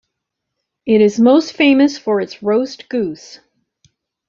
It is most famous for its roast goose.